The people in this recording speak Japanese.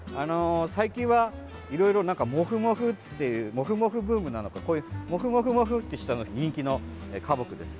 最近はいろいろもふもふっていうもふもふブームなのか、こういうもふもふもふってしたのは人気の花木です。